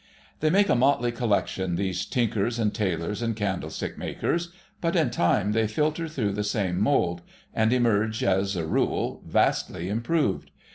They make a motley collection, these tinkers and tailors and candlestick makers, but in time they filter through the same mould, and emerge, as a rule, vastly improved.